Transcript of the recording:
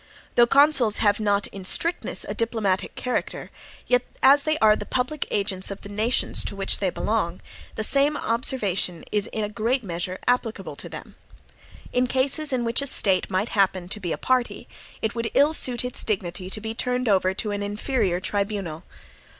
Though consuls have not in strictness a diplomatic character, yet as they are the public agents of the nations to which they belong, the same observation is in a great measure applicable to them. In cases in which a State might happen to be a party, it would ill suit its dignity to be turned over to an inferior tribunal.